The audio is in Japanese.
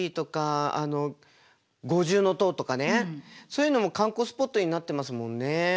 そういうのも観光スポットになってますもんね。